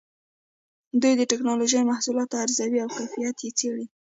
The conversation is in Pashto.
دوی د ټېکنالوجۍ محصولات ارزوي او کیفیت یې څېړي.